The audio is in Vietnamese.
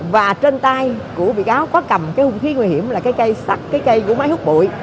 và trên tay của vị cáo có cầm cái hùng khí nguy hiểm là cái cây sắt cái cây của máy hút bụi